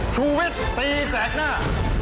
ชุวิตตีแสดงหน้า